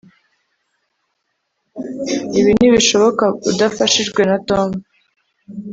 ibi ntibishoboka udafashijwe na tom